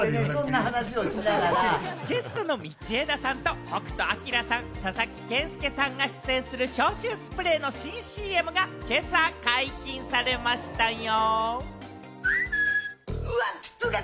ゲストの道枝さんと北斗晶さん、佐々木健介さんが出演する消臭スプレーの新ＣＭが今朝解禁されましたよ。